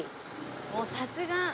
もうさすが。